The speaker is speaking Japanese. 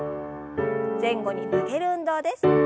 前後に曲げる運動です。